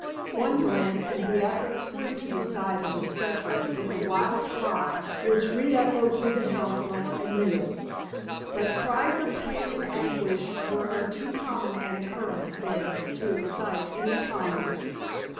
One glance, and Beatrix flew to the side of the stretcher with a wild cry which re echoed through the house like a knell. But cries of pain and anguish were of too common an occurrence there to excite any comment.